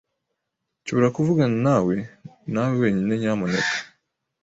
Nshobora kuvuganawe nawe wenyine, nyamuneka?